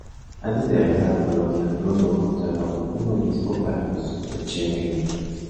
Antes de viajar a Polonia, Bruno consagró un obispo para los pechenegos.